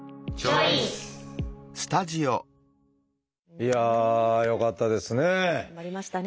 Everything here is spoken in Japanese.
いやあよかったですね。